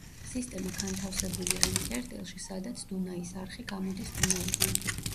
სისტემა განთავსებულია იმ წერტილში სადაც დუნაის არხი გამოდის დუნაიდან.